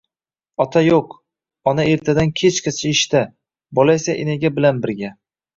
ota yo‘q, ona ertadan kechgacha ishda, bola esa enaga bilan birga.